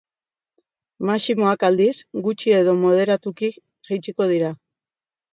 Maximoak, aldiz, gutxi edo moderatuki jaitsiko dira.